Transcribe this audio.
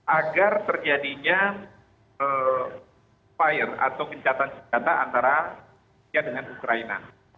agar terjadinya fire atau gencatan senjata antara rusia dengan ukraina